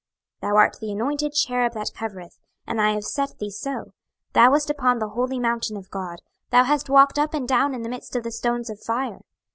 26:028:014 Thou art the anointed cherub that covereth; and I have set thee so: thou wast upon the holy mountain of God; thou hast walked up and down in the midst of the stones of fire.